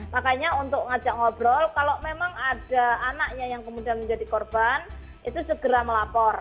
makanya untuk ngajak ngobrol kalau memang ada anaknya yang kemudian menjadi korban itu segera melapor